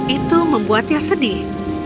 itu membuatnya sedih